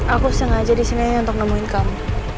aku sengaja disinainya untuk nemuin kamu